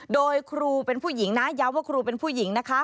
โดยครูเป็นผู้หญิงนะย้ำว่าครูเป็นผู้หญิงนะคะ